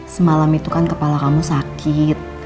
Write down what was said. semalam itu kan kepala kamu sakit